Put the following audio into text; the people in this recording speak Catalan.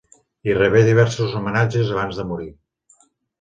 Hi rebé diversos homenatges abans de morir.